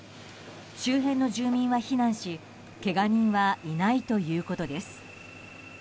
周辺の住民は避難しけが人はいないということです。